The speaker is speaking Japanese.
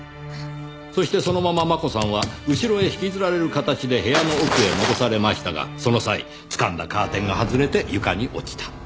そしてそのまま真子さんは後ろへ引きずられる形で部屋の奥へ戻されましたがその際掴んだカーテンが外れて床に落ちた。